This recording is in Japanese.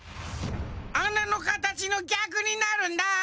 あなのかたちのぎゃくになるんだ。